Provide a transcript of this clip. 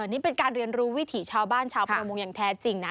นี่เป็นการเรียนรู้วิถีชาวบ้านชาวประมงอย่างแท้จริงนะ